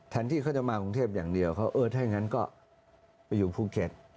ที่เขาจะมากรุงเทพอย่างเดียวเขาเออถ้าอย่างนั้นก็ไปอยู่ภูเก็ต